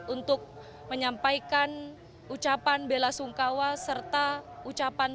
untuk menyampaikan ucapan bela sungkawa serta ucapan